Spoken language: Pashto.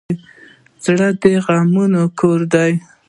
زړه د غمونو کور دی.